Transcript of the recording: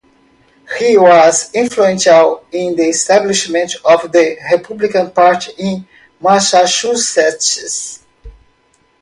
He was influential in the establishment of the Republican Party in Massachusetts.